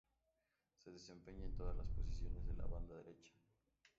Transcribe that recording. Se desempeña en todas las posiciones de la banda derecha.